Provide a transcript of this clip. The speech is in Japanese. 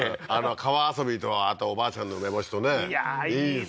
川遊びとあとおばあちゃんの梅干しとねいやいいな